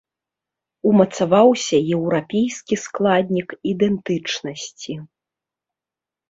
Умацаваўся еўрапейскі складнік ідэнтычнасці.